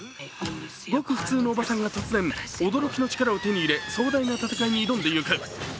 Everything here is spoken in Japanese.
ごく普通のおばさんが突然、驚きの力を手に入れ、壮大な戦いに挑んでいく。